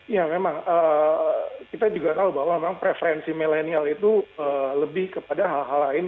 ya memang kita juga tahu bahwa memang preferensi milenial itu lebih kepada hal hal lain